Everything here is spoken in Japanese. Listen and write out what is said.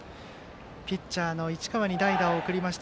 ピッチャーの市川に代打を送りました。